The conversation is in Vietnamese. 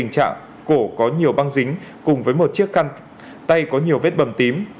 cả cổ có nhiều băng dính cùng với một chiếc khăn tay có nhiều vết bầm tím